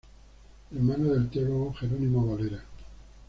Hermano del teólogo Jerónimo Valera.